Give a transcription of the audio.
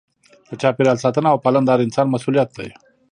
د چاپیریال ساتنه او پالنه د هر انسان مسؤلیت دی.